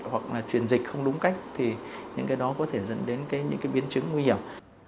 hoặc là truyền dịch không đúng cách thì những cái đó có thể dẫn đến những cái biến chứng nguy hiểm